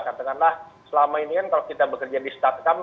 karena selama ini kan kalau kita bekerja di startup